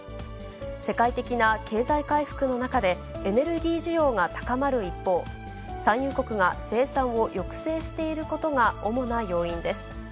世界的な経済回復の中で、エネルギー需要が高まる一方、産油国が生産を抑制していることが主な要因です。